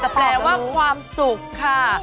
แต่แปลว่าความสุขค่ะ